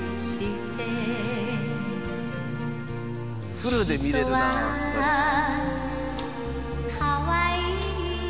フルで見れるなひばりさん。